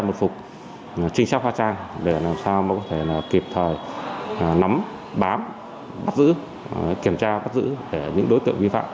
đột phục trinh sát pha trang để làm sao có thể kịp thời nắm bám bắt giữ kiểm tra bắt giữ những đối tượng vi phạm